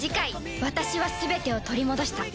私は全てを取り戻した。